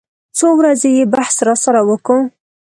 څو ورځې يې بحث راسره وکو.